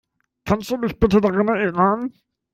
Kannst du mich bitte daran erinnern?